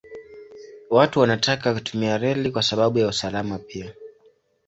Watu wanataka kutumia reli kwa sababu ya usalama pia.